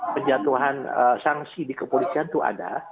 penjatuhan sanksi di kepolisian itu ada